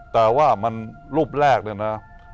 แต่ว่ามันรูปแรกเนี่ยนะ